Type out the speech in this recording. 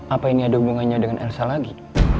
apa ini ada hubungannya dengan elsa lagi